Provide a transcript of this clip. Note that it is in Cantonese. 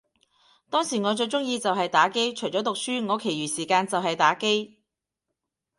當時我最鍾意就係打機，除咗讀書，我其餘時間就係打機